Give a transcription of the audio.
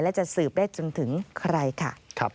และจะสืบได้จนถึงใครค่ะ